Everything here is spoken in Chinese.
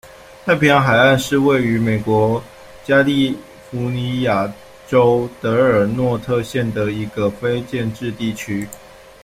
太平洋海岸是位于美国加利福尼亚州德尔诺特县的一个非建制地区。